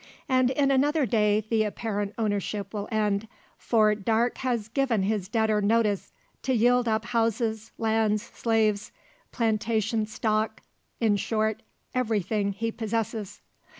And in another day the apparent ownership will end: for Darke has given his debtor notice to yield up houses, lands, slaves, plantation stock in short, everything he possesses.